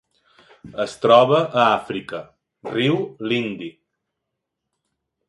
Es troba a Àfrica: riu Lindi.